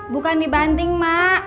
bukan dibanding mak